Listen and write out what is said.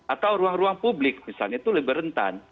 atau ruang ruang publik misalnya itu lebih rentan